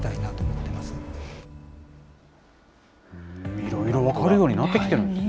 いろいろ分かるようになってきてるんですね。